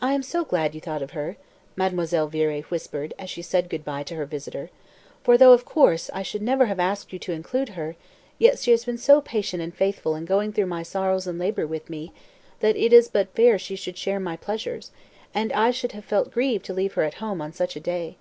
"I am so glad you thought of her," Mademoiselle Viré whispered as she said good bye to her visitor, "for though, of course, I should never have asked you to include her, yet she has been so patient and faithful in going through sorrows and labour with me, that it is but fair she should share my pleasures, and I should have felt grieved to leave her at home on such a day."